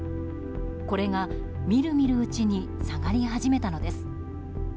これがみるみるうちに下がり始めたのです。